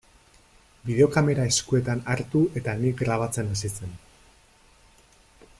Bideokamera eskuetan hartu eta ni grabatzen hasi zen.